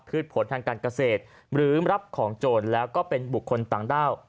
ผลทางการเกษตรหรือรับของโจรแล้วก็เป็นบุคคลต่างด้าว